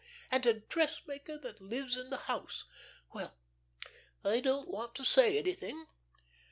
And a dressmaker that lives in the house.... Well, I don't want to say anything."